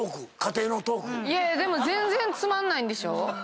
でも全然つまんないんでしょ？